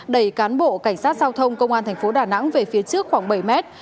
đẩy cán bộ cảnh sát giao thông công an thành phố đà nẵng về phía trước khoảng bảy mét